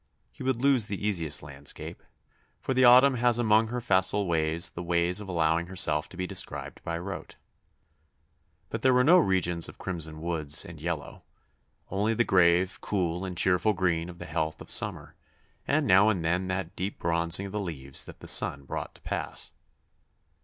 He would lose the easiest landscape for the autumn has among her facile ways the way of allowing herself to be described by rote. But there were no regions of crimson woods and yellow only the grave, cool, and cheerful green of the health of summer, and now and then that deep bronzing of the leaves that the sun brought to pass.